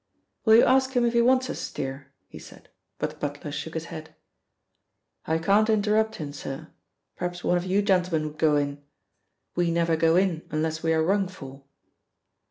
"Will you ask him if he wants us, Steere?" he said, but the butler shook his head. "I can't interrupt him, sir. Perhaps one of you gentlemen would go in. We never go in unless we are rung for."